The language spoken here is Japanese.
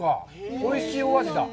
おいしいお味だ。